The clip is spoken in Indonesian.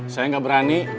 saya nggak berani